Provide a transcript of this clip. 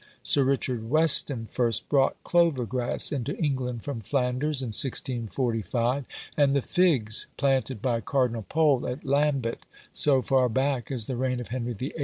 Sir Richard Weston first brought clover grass into England from Flanders, in 1645; and the figs planted by Cardinal Pole at Lambeth, so far back as the reign of Henry VIII.